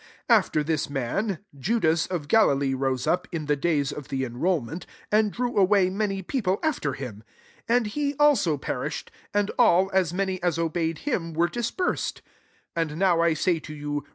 37 After this many Judas of Galilee rose up, in the days of the enrolment, and drew away [many] people after him : and he alao perished and all, as many as obeyed him, were dispersed. 38 And now I say to you.